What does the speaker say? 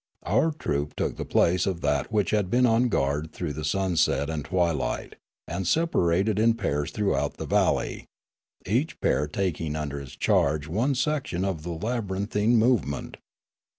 Our troop took the place of that which had been on guard through the sunset and twilight, and separated in pairs throughout the val ley, each pair taking under its charge one section of the labyrinthine movement.